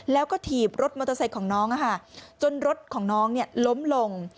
แล้วก็ถีบรถมอเตอร์ไซค์ของน้องจนรถของน้องล้มลง